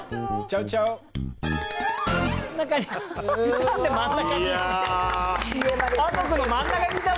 なんで真ん中に。